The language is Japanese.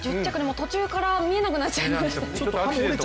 途中から見えなくなっちゃった。